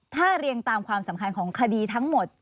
ถ้าเรียงตามความสำคัญของคดีทั้งหมด